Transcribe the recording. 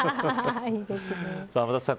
天達さん